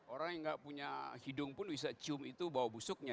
orang yang nggak punya hidung pun bisa cium itu bawa busuknya